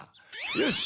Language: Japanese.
よし！